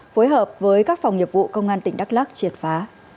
phối hợp với các phòng nghiệp vụ công an tỉnh đắk lắc triệt phá